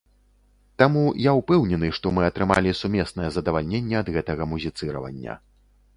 Таму я ўпэўнены, што мы атрымалі сумеснае задавальненне ад гэтага музіцыравання.